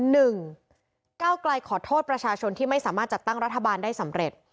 ก้าวไกลขอโทษประชาชนที่ไม่สามารถจัดตั้งรัฐบาลได้สำเร็จ